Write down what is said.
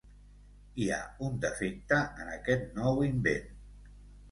Hi ha un defecte en aquest nou invent.